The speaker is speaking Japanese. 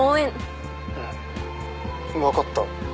うん分かった。